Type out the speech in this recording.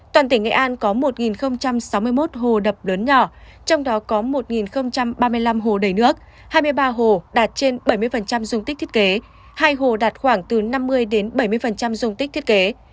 toàn tỉnh nghệ an có một sáu mươi một hồ đập lớn nhỏ trong đó có một ba mươi năm hồ đầy nước hai mươi ba hồ đạt trên bảy mươi dung tích thiết kế hai hồ đạt khoảng từ năm mươi bảy mươi dung tích thiết kế